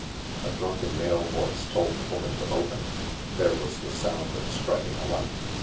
A drunken male voice told the woaiau to open. There was the sound of striking a light.